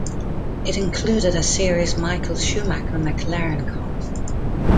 It included a series Michael Schumacher McLaren cars.